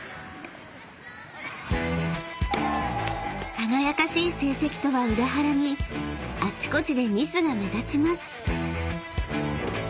［輝かしい成績とは裏腹にあちこちでミスが目立ちます］